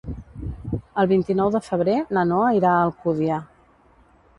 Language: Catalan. El vint-i-nou de febrer na Noa irà a Alcúdia.